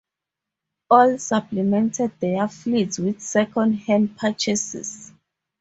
All supplemented their fleets with second hand purchases.